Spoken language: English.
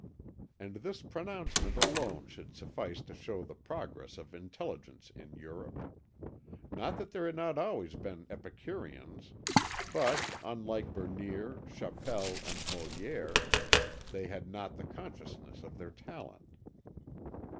And this pronouncement alone should suffice to show the progress of intelligence in Europe. Not that there had not always been Epicureans but, unlike Bernier, Chapelle, and Molière, they had not the consciousness of their talent.